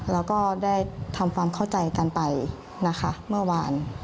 แล้วก็ได้ทำความเข้าใจกันไปนะคะเมื่อวาน